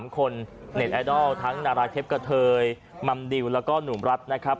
คนเน็ตไอดอลทั้งนาราเทพกะเทยมัมดิวแล้วก็หนุ่มรัฐนะครับ